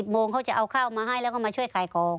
โมงเขาจะเอาข้าวมาให้แล้วก็มาช่วยขายของ